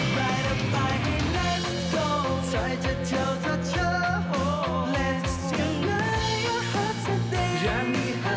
อย่ามีเหิงว่าได้